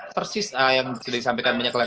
persis yang sudah disampaikan banyak oleh